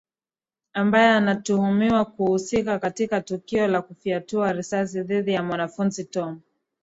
ambaye anatuhumiwa kuhusika katika tukio la kufyatua risasi dhidi ya mwanafunzi tom